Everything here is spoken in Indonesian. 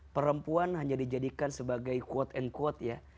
perempuan hanya dijadikan sebagai quote and quote ya